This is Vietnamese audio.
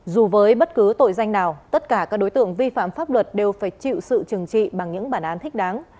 dù với bất cứ tội danh nào tất cả các đối tượng vi phạm pháp luật đều phải chịu sự trừng trị bằng những bản án thích đáng